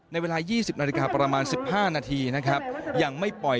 ในเวลา๒๐นาฬิกาประมาณ๑๕นาทียังไม่ปล่อย